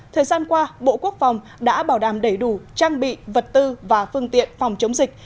thời gian qua bộ quốc phòng đã bảo đảm đầy đủ trang bị vật tư và phương tiện phòng chống dịch